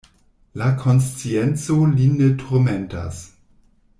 La konscienco lin ne turmentas.